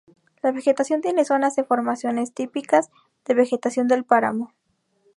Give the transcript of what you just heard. La vegetación tiene zonas de formaciones típicas de vegetación del páramo.